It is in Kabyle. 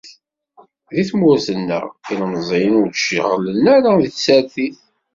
Di tmurt-nneɣ ilemẓiyen ur d-ceɣɣlen ara d tsertit.